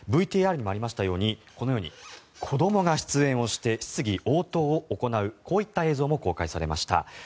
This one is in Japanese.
ＶＴＲにもありましたように子供が出演して質疑応答を行うといった映像も公開されました。